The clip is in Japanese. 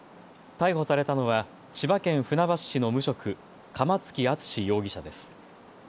逮捕されたのは千葉県船橋市の無職、釜付敦史容疑者です。